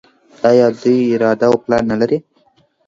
آیا دوی اراده او پلان نلري؟